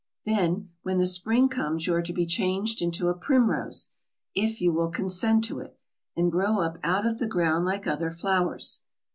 Then, when the spring comes you are to be changed into a primrose, if you will consent to it, and grow up out of the ground like other flowers.